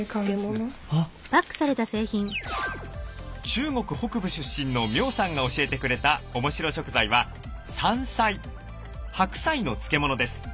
中国北部出身の苗さんが教えてくれたおもしろ食材は白菜の漬物です。